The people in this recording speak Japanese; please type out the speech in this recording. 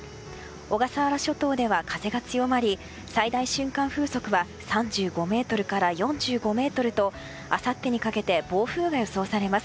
小笠原諸島では風が強まり最大瞬間風速は３５メートルから４５メートルとあさってにかけて暴風が予想されます。